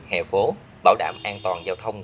hè phố bảo đảm an toàn giao thông